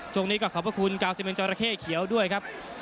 โจทธ์นี้ก็ขอบคุณแก้วสิเม็ดเจาระเข้เขียวด้วยครับ